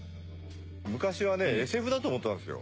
昔はねＳＦだと思ってたんですよ